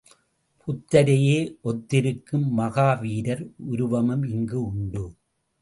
புத்தரையே ஒத்திருக்கும் மகாவீரர் உருவமும் இங்கு உண்டு.